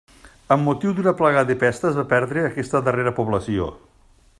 Amb motiu d'una plaga de pesta es va perdre aquesta darrera població.